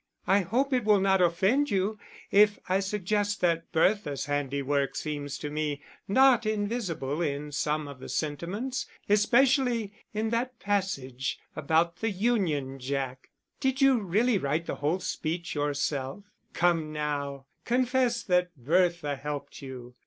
I hope it will not offend you if I suggest that Bertha's handiwork seems to me not invisible in some of the sentiments (especially in that passage about the Union Jack). Did you really write the whole speech yourself? Come, now, confess that Bertha helped you.